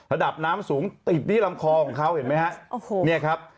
ระดับน้ำสูงติดที่ลำคอของเขาเห็นไหมฮะโอ้โหเนี่ยครับ